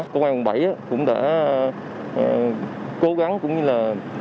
công an quận bảy cũng đã cố gắng cũng như là